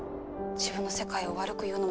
自分の世界を悪く言うのもなんだけど。